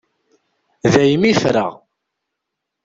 Daymi i ffreɣ.